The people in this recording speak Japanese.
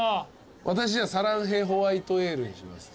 私じゃあサランヘホワイトエールにします。